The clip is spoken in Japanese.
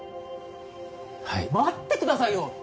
はい待ってくださいよ